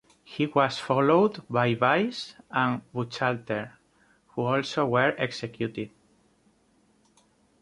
He was followed by Weiss and Buchalter, who also were executed.